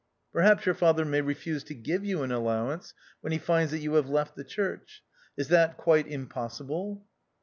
" Perhaps your father may refuse to give you an allowance when he finds that you have left the church. Is that quite im possible